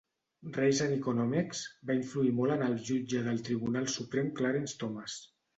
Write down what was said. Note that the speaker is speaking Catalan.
"Race and Economics" va influir molt en el jutge del Tribunal Suprem Clarence Thomas.